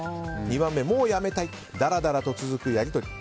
もうやめたいだらだらと続くやり取り。